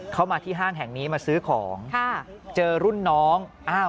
เขามาที่ห้างแห่งนี้มาซื้อของค่ะเจอรุ่นน้องอ้าว